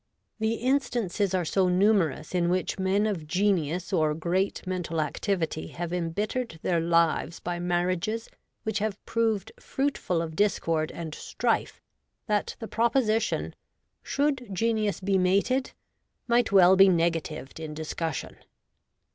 The instances are so numerous in which men of genius or great mental activity have embittered their lives by marriages which have proved fruitful of discord and strife, that the proposition, ' Should Genius be mated ?' might well be negatived in discussion.